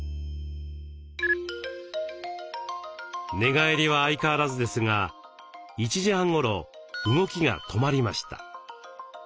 寝返りは相変わらずですが１時半ごろ動きが止まりました。